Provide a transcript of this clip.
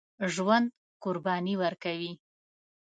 ژوندي قرباني ورکوي